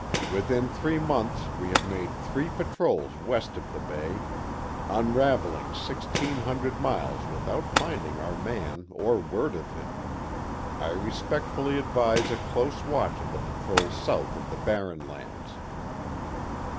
Within three months we have made three patrols west of the Bay, unraveling sixteen hundred miles without finding our man or word of him. I respectfully advise a close watch of the patrols south of the Barren Lands."